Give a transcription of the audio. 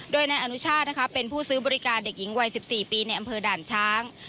โดยนายอนุชาติเป็นผู้ซื้อบริการเด็กหญิงวัย๑๔ปีในอำเภอด่านช้าง